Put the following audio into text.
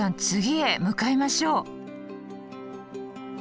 次へ向かいましょう。